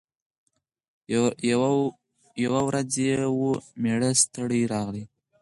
یوه ورځ یې وو مېړه ستړی راغلی